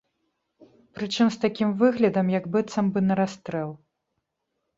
Прычым з такім выглядам, як быццам бы на расстрэл.